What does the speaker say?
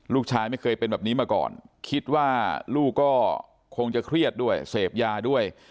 ลูกชายไม่เคยเป็นแบบนี้มาก่อนคิดว่าลูกก็คงจะเครียดด้วยเสพยาด้วย